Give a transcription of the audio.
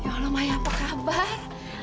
ya allah maya apa kabar